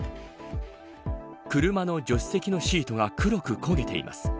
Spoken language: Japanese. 車の助手席のシートが黒く焦げています。